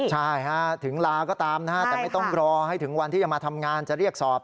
ใช่ถึงลาก็ตามนะฮะแต่ไม่ต้องรอให้ถึงวันที่จะมาทำงานจะเรียกสอบ